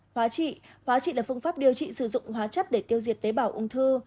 hóa trị hóa trị là phương pháp điều trị sử dụng hóa chất để tiêu diệt tế bảo ung thư